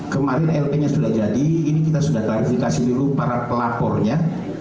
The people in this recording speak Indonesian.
kemarin lp nya sudah jadi ini kita sudah klarifikasi dulu para pelapornya